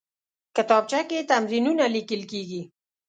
کتابچه کې تمرینونه لیکل کېږي